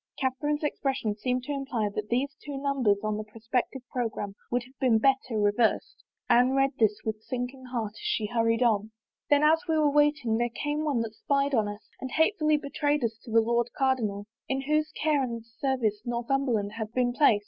Catherine's expression seemed to im ply that these two nimibers on the prospective programme would have been better reversed. Anne read this with sinking heart as she hurried on. 6 THE QUEEN'S REFUSAL " Then as we were waiting there came one that spied on us and hatefully betrayed us to the Lord Cardinal, in whose care and service Northumberland had been placed.